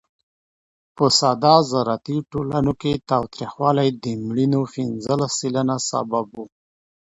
په ساده زراعتي ټولنو کې تاوتریخوالی د مړینو پینځلس سلنه سبب و.